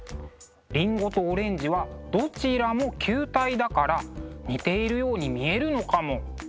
りんごとオレンジはどちらも球体だから似ているように見えるのかも。